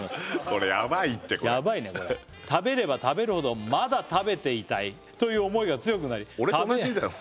これヤバいってこれヤバいねこれ食べれば食べるほどまだ食べていたいという思いが強くなり俺と同じ映だよ